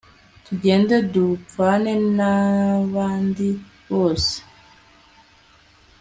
tugende dupfane nbandi bose